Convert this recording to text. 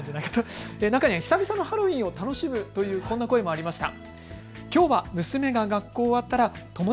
中には久々のハロウィーンを楽しむというこんな声もありました。